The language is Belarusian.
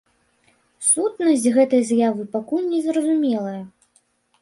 Сутнасць гэтай з'явы пакуль не зразумелая.